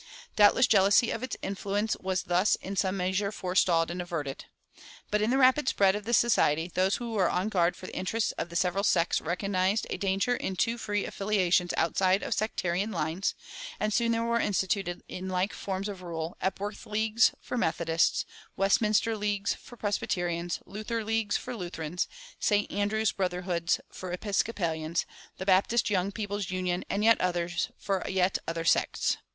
Doubtless jealousy of its influence was thus in some measure forestalled and averted. But in the rapid spread of the Society those who were on guard for the interests of the several sects recognized a danger in too free affiliations outside of sectarian lines, and soon there were instituted, in like forms of rule, "Epworth Leagues" for Methodists, "Westminster Leagues" for Presbyterians, "Luther Leagues" for Lutherans, "St. Andrew's Brotherhoods" for Episcopalians, "The Baptist Young People's Union," and yet others for yet other sects.